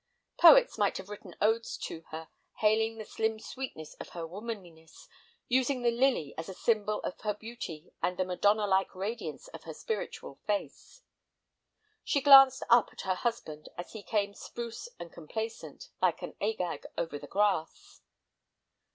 Poets might have written odes to her, hailing the slim sweetness of her womanliness, using the lily as a symbol of her beauty and the Madonna like radiance of her spiritual face. She glanced up at her husband as he came spruce and complacent, like any Agag, over the grass.